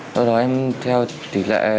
sau đó em theo tỷ lệ